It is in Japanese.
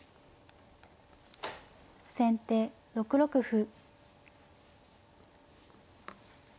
先手６六歩。